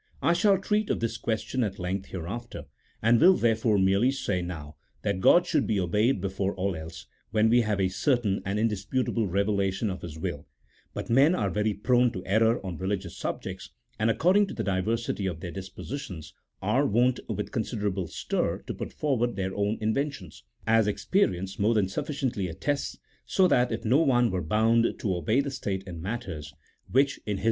I shall treat of this question at length hereafter, and will therefore merely say now, that God should be obeyed before all else, when we have a certain and indisputable revelation of His will : but men are very prone to error on religious subjects, and, according to the diversity of their dispositions, are wont with considerable stir to put forward their own inventions, as experience more than sufficiently attests, so that if no one were bound to obey the state in matters which, in his 212 A THEOLOGICO POLITICAL TREATISE. [CHAP. XVI.